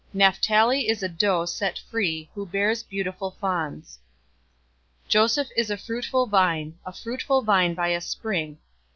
049:021 "Naphtali is a doe set free, who bears beautiful fawns. 049:022 "Joseph is a fruitful vine, a fruitful vine by a spring.